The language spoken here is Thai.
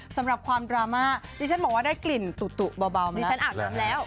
สำหรับความดราม่าดิฉันบอกว่าได้กลิ่นตุเบาดิฉันอาบน้ำแล้ว